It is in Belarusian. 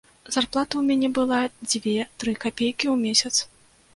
Зарплата ў мяне была дзве-тры капейкі ў месяц.